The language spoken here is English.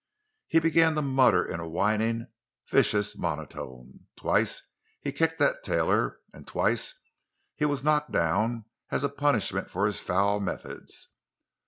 He began to mutter in a whining, vicious monotone; twice he kicked at Taylor, and twice he was knocked down as a punishment for his foul methods.